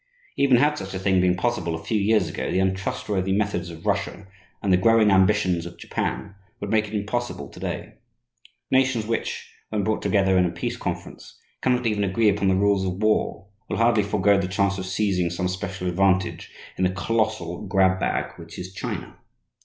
Even had such a thing been possible a few years ago, the untrustworthy methods of Russia and the growing ambitions of Japan would make it impossible to day. Nations which, when brought together in a "Peace Conference," cannot even agree upon the rules of war, will hardly forego the chance of seizing some special advantage in the colossal grab bag which is China.